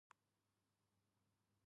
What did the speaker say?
たたかうマヌカハニー